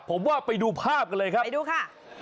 ผมว่าไปดูภาพกันเลยครับไปดูค่ะ